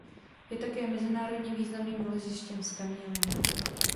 Je také mezinárodně významným nalezištěm zkamenělin.